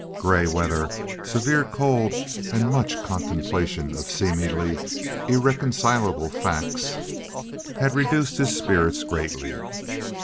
Gray weather, severe cold, and much contemplation of seemingly irreconcilable facts had reduced his spirits greatly.